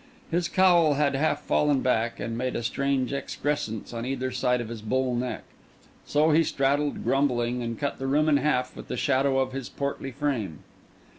His cowl had half fallen back, and made a strange excrescence on either side of his bull neck. So he straddled, grumbling, and cut the room in half with the shadow of his portly frame.